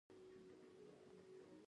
هغه کله هم د رسمي مشرتوب خواهیش نه درلود.